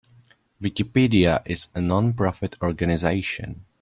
Wikipedia is a non-profit organization.